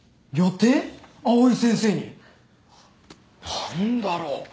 何だろう。